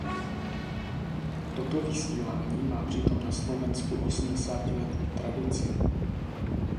Toto vysílání má přitom na Slovensku osmdesátiletou tradici.